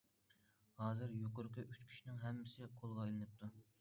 ھازىر يۇقىرىقى ئۈچ كىشىنىڭ ھەممىسى قولغا ئېلىنىپتۇ.